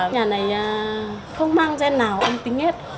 nhà này không mang gen nào ông tính hết